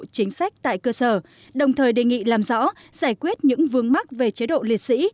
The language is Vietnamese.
chính sách tại cơ sở đồng thời đề nghị làm rõ giải quyết những vương mắc về chế độ liệt sĩ